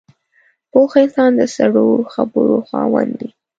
پوخ انسان د سړو خبرو خاوند وي